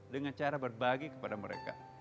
dengan cara berbagi kepada mereka